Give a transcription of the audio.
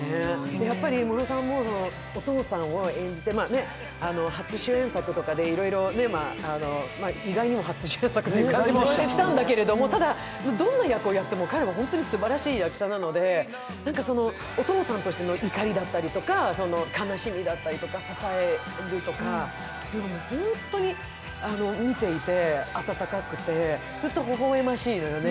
やっぱりムロさんもお父さんを演じて、初主演作とかでいろいろ意外にも初主演作という感じもしたんだけれども、ただ、どんな役をやっても、かれはすばらしい役者なのでお父さんとしての怒りだったりとか、悲しみだったりとか、支えるとか、でも、ホントに見ていて温かくて、ずっとほほ笑ましいんだよね。